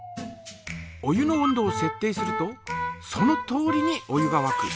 お湯の温度をせっ定するとそのとおりにお湯がわく。